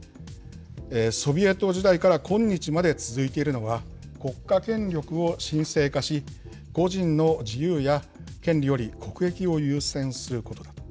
ソビエト時代から今日まで続いているのは、国家権力を神聖化し、個人の自由や権利より国益を優先することだ。